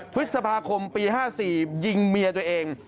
พฤษภาคมปี๕๔ยิงเมียตัวเอง